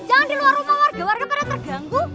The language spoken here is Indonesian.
jangan di luar rumah warga warga pada terganggu